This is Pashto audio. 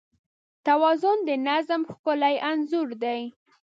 توازن د نظم ښکلی انځور دی.